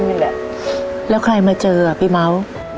ไม่มีใครอยู่ในบ้านเลยเหรอคะวันนั้น